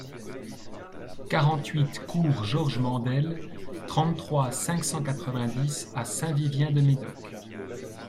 quarante-huit cours Georges Mandel, trente-trois, cinq cent quatre-vingt-dix à Saint-Vivien-de-Médoc